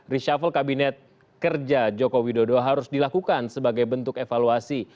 reshuffle kabinet kerja joko widodo harus dilakukan sebagai bentuk evaluasi